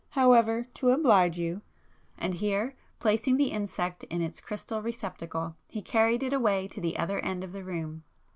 However, to oblige you—" and here, placing the insect in its crystal receptacle he carried it away to the other end of the room.